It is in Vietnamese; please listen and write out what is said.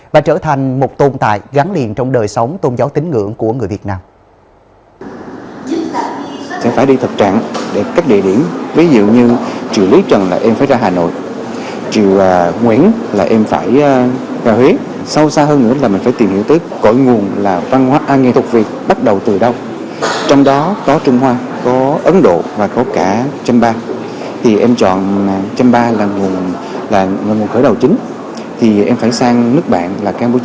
là một tồn tại gắn liền trong đời sống tôn giáo tính ngưỡng của người việt nam